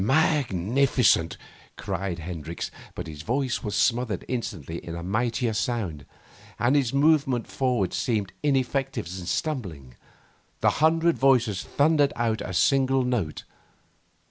'Magnificent!' cried Hendricks, but his voice was smothered instantly in a mightier sound, and his movement forward seemed ineffective stumbling. The hundred voices thundered out a single note.